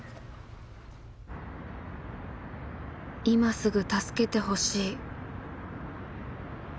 「今すぐ助けてほしい」。